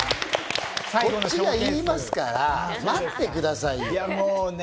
こっちが言いますから、待ってくださいよ。